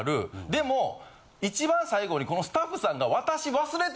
でも一番最後にこのスタッフさんが。